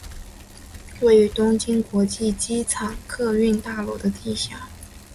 位于东京国际机场客运大楼的地下。